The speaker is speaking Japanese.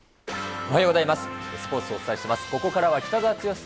おはようございます。